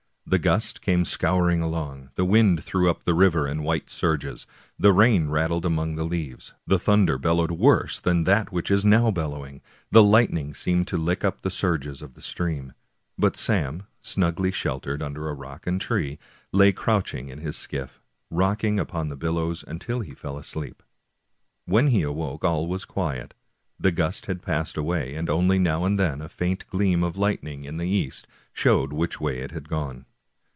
The gust came scouring along, the wind threw up the river in white surges, the rain rattled among the leaves, the thunder bellowed worse than that which is now bel lowing, the lightning seemed to lick up the surges of the stream ; but Sam, snugly sheltered under rock and tree, lay crouching in his skiff, rocking upon the billows until he fell asleep. When he woke all was quiet. The gust had passed away, and only now and then a faint gleam of lightning in the east showed which way it had gone.